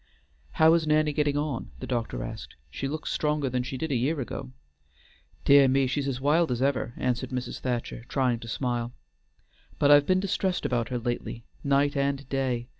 "How is Nanny getting on?" the doctor asked. "She looks stronger than she did a year ago." "Dear me, she's wild as ever," answered Mrs. Thacher, trying to smile; "but I've been distressed about her lately, night and day.